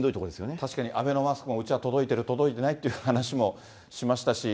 確かにアベノマスクも、うちは届いてる、届いてないって話もしましたし。